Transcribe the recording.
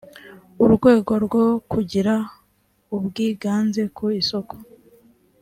urwego rwo kugira ubwiganze ku isoko